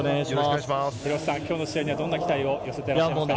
廣瀬さん、今日の試合にはどんな期待を寄せていますか？